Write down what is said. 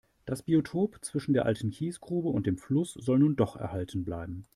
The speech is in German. Das Biotop zwischen der alten Kiesgrube und dem Fluss soll nun doch erhalten bleiben.